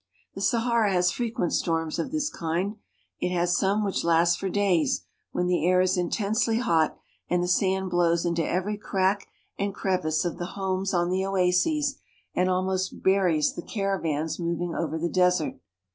The Sahara has frequent storms of this kind. It has some which last for days, when the air is intensely hot and the sand blows into every crack and crevice of the homes ten I whi m A CARAVAN RIDE 69 the oases and almost buries the caravans moving over le desert.